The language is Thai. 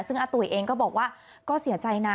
ซึ่งอาตุ๋ยเองก็บอกว่าก็เสียใจนะ